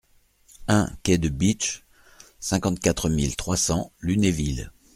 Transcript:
un quai de Bitche, cinquante-quatre mille trois cents Lunéville